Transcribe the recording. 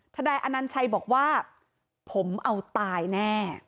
นายอนัญชัยบอกว่าผมเอาตายแน่